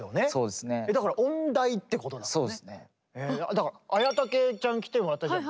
だから文武ちゃん来てもらったじゃん。